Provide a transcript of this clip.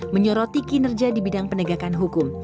menyoroti kinerja di bidang penegakan hukum